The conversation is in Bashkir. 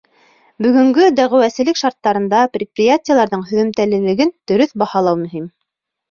Бөгөнгө дәғүәселек шарттарында предприятиеларҙың һөҙөмтәлелеген дөрөҫ баһалау мөһим.